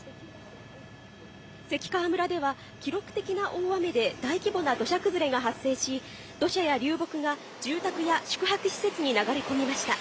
関川村では記録的な大雨で大規模な土砂崩れが発生し、土砂や流木が住宅や宿泊施設に流れ込みました。